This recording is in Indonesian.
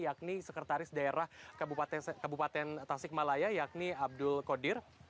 yakni sekretaris daerah kabupaten tasik malaya yakni abdul kodir